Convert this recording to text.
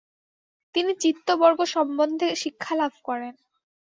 তিনি চিত্তবর্গ সম্বন্ধে শিক্ষালাভ করেন।